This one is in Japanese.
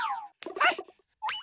はい！